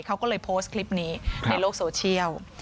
เขาก็เลยโพสต์คลิปนี้ในโลกโซเชียล